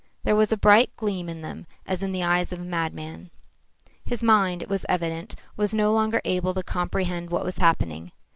There was a bright gleam in them as in the eyes of a madman. His mind, it was evident, was no longer able to comprehend what was happening.